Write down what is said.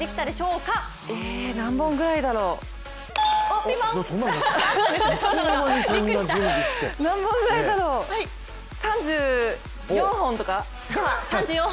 うーん、何本ぐらいだろう３４本とか？